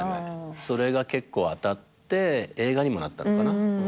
それが結構当たって映画にもなったのかな。